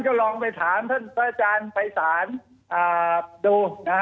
ก็ลองไปถามท่านพระอาจารย์ภัยศาลดู